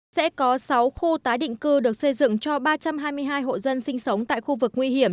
sẽ có sáu khu tái định cư được xây dựng cho ba trăm hai mươi hai hộ dân sinh sống tại khu vực nguy hiểm